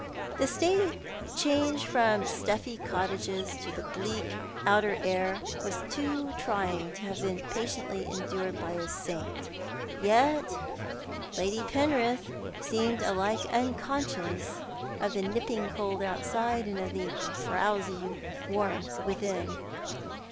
The change from stuffy cottages to the bleak outer air was too trying to have been patiently endured by a saint ; yet Lady Penrith seemed alike unconscious of tiie nipping cold outside and of the frowsy warmth within.